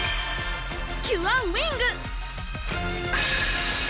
キュアウィング！